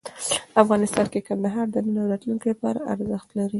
افغانستان کې کندهار د نن او راتلونکي لپاره ارزښت لري.